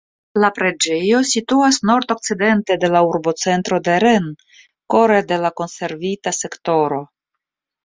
La preĝejo situas nordokcidente de la urbocentro de Rennes, kore de la konservita sektoro.